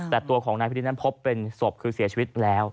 แต่ตัวของนายพินิษนั้นพบเป็นศพคือเสียชีวิตแล้ว